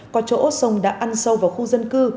có chỗ sông đã ăn sâu vào khu dân cư